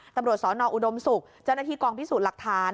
ตำรวจสนอุดมศุกร์เจ้าหน้าที่กองพิสูจน์หลักฐาน